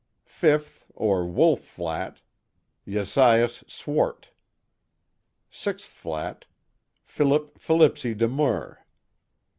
Fifth, or Wolfe Flat: Jasaias Swart. Sixth flat : Philip Philipse De Moer.